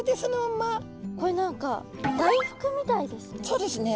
これ何か大福みたいですね。